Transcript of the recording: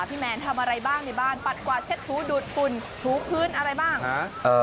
แมนทำอะไรบ้างในบ้านปัดกวาดเช็ดถูดูดฝุ่นถูพื้นอะไรบ้าง